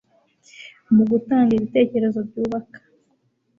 mu gutanga ibitekerezo byubaka